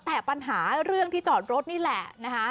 แต่ปัญหาเรื่องที่จอดรถนี่แหละนะคะ